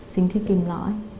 sinh thiết kim lõi